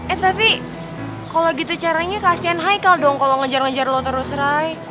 eh tapi kalo gitu caranya kasihan haikal dong kalo ngejar ngejar lo terus ray